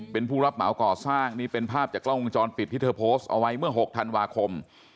เป็นผู้รับเหมาก่อสร้างนี่เป็นภาพจากกล้องวงจรปิดที่เธอโพสต์เอาไว้เมื่อ๖ธันวาคม